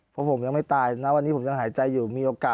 เพราะผมยังไม่ตายนะวันนี้ผมยังหายใจอยู่มีโอกาส